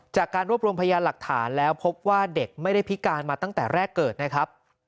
จากการรวบรวมพยานหลักฐานแล้วพบว่าเด็กไม่ได้พิการมาตั้งแต่แรกเกิดนะครับ